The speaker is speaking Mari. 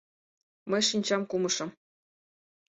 Мый шинчам кумышым.